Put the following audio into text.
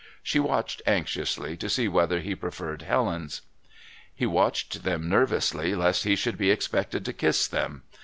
She watched anxiously to see whether he preferred Helen's. He watched them nervously, lest he should be expected to kiss them.